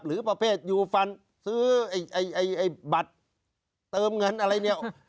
หรือประเภทยูฟันซื้อไอ้บัตรเติมเงินอะไรเนี่ย